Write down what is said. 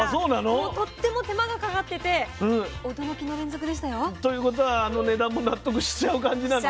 もうとっても手間がかかってて驚きの連続でしたよ。ということはあの値段も納得しちゃう感じなの？